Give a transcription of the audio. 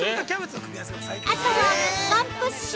あとは、ワンプッシュ。